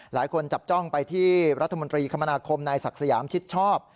หลายคนจับจ้องไปที่รัฐมนตรีคมนาคมนายศักดิ์สยามชิดชอบ